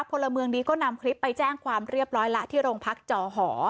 พลเมืองดีก็นำคลิปไปแจ้งความเรียบร้อยละที่โรงพักจอหอ